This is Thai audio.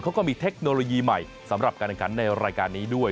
เขาก็มีเทคโนโลยีใหม่สำหรับการแข่งขันในรายการนี้ด้วย